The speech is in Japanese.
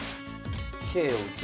桂を打つ。